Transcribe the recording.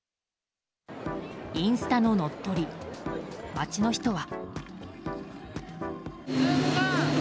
インスタの乗っ取り街の人は。